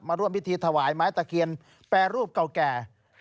ร่วมพิธีถวายไม้ตะเคียนแปรรูปเก่าแก่